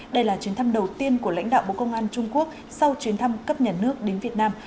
đây là chuyến thăm đầu tiên của lãnh đạo bộ công an trung quốc sau chuyến thăm cấp nhà nước đến việt nam